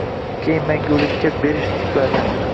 Keyin mangulikka berishdik va’da.